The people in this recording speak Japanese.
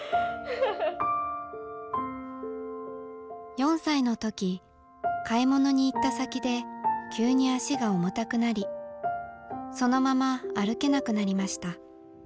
４歳の時買い物に行った先で急に足が重たくなりそのまま歩けなくなりました。